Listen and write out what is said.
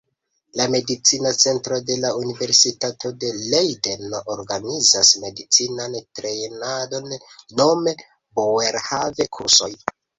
La Medicina Centro de la Universitato de Lejdeno organizas medicinan trejnadon nome "Boerhaave-kursoj".